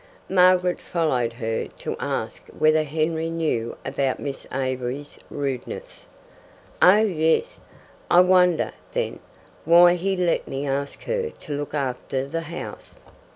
Margaret followed her to ask whether Henry knew about Miss Avery's rudeness. "Oh yes." "I wonder, then, why he let me ask her to look after the house."